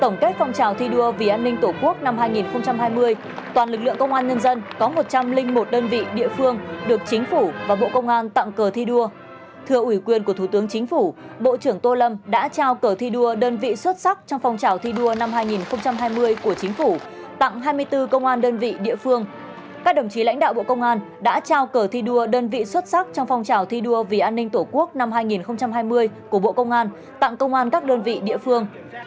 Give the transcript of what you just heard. nhiệm vụ công tác trọng tâm năm hai nghìn hai mươi một của lực lượng công an nhân dân